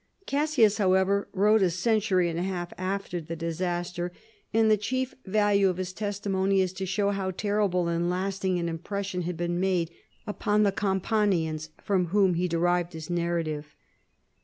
Cassius, however, wrote a century and a half after the disaster; and the chief value of his testimony is to show how terrible and lasting an impression had been made upon the Campanians, from whom he derived his narrative.